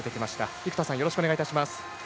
生田さん、よろしくお願いします。